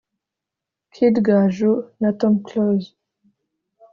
Kid Gaju na Tom Close